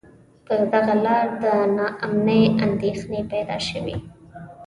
پر دغه لار د نا امنۍ اندېښنې پیدا شوې.